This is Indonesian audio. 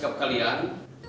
kamu masih bebas